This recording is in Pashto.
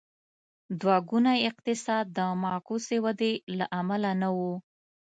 دوه ګونی اقتصاد د معکوسې ودې له امله نه و.